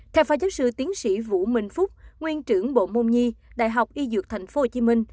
theo phó giáo sư tiến sĩ vũ minh phúc nguyên trưởng bộ môn nhi đại học y dược tp hcm